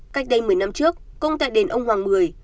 cách đây một mươi năm trước công tại đền ông hoàng mười